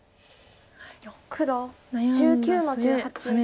黒１９の十八ハネ。